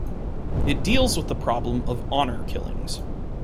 It deals with the problem of honour killings.